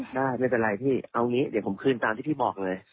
ไม่เป็นไรพี่เอางี้เดี๋ยวผมคืนตามที่พี่บอกเลย